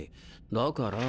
だから。